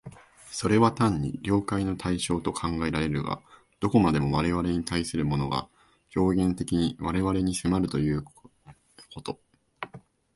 それは単に了解の対象と考えられるが、どこまでも我々に対するものが表現的に我々に迫るということ、